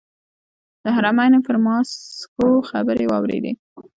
د حرمینو پر ماسکو خبرې واورېدې.